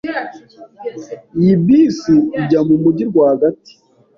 Iyi bisi ijya mumujyi rwagati?